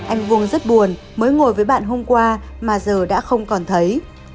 anh vuông rất buồn mới ngồi với bạn hôm qua mà giờ đã không còn thấy